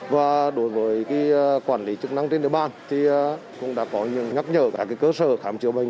và đối với quản lý chức năng trên địa bàn thì cũng đã có những nhắc nhở các cơ sở khám chữa bệnh